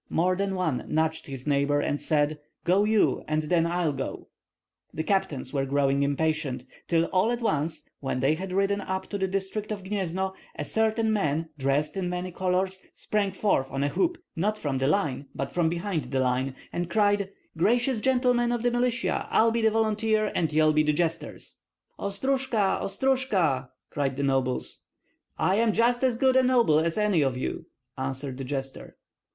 More than one nudged his neighbor and said, "Go you, and then I'll go." The captains were growing impatient, till all at once, when they had ridden up to the district of Gnyezno, a certain man dressed in many colors sprang forth on a hoop, not from the line but from behind the line, and cried, "Gracious gentlemen of the militia, I'll be the volunteer and ye will be jesters!" "Ostrojka! Ostrojka!" cried the nobles. "I am just as good a noble as any of you!" answered the jester.